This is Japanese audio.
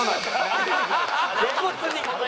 露骨に。